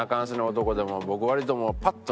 男でも。